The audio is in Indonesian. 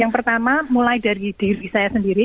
yang pertama mulai dari diri saya sendiri